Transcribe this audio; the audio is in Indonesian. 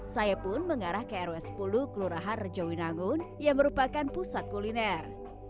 saya pun mengarah ke rw sepuluh kelurahan rejowinangun yang merupakan pusat kuliner